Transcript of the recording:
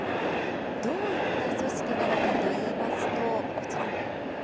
どういった組織なのかといいますと、こちら。